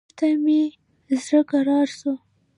بېرته مې زړه کرار سو.